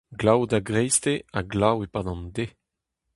Glav da greisteiz ha glav e-pad an deiz.